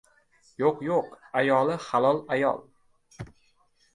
Yo‘q-yo‘q, ayoli halol ayol!